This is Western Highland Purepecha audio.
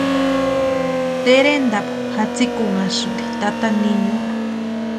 Terentapu jasïkunhasïnti tata niñorhu.